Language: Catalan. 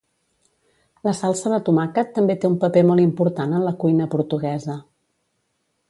La salsa de tomàquet també té un paper molt important en la cuina portuguesa.